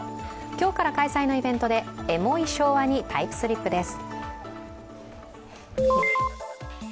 今日から開催のイベントで、エモい昭和にタイムスリップです。